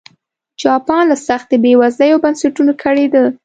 جاپان له سختې بېوزلۍ او بنسټونو کړېده.